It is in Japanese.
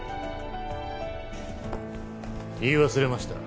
言い忘れました。